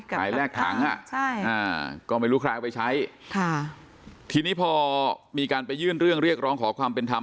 ไปแลกถังก็ไม่รู้ใครเอาไปใช้ค่ะทีนี้พอมีการไปยื่นเรื่องเรียกร้องขอความเป็นธรรม